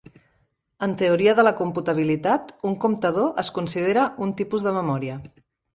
En teoria de la computabilitat, un comptador es considera un tipus de memòria.